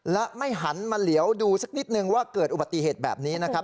และไม่หันมาเหลียวดูสักนิดนึงว่าเกิดอุบัติเหตุแบบนี้นะครับ